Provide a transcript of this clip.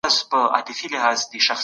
ولسي جرګه د پارلمان مهمه برخه ده.